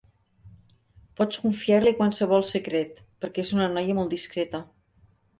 Pots confiar-li qualsevol secret, perquè és una noia molt discreta.